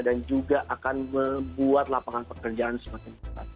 dan juga akan membuat lapangan pekerjaan semakin cepat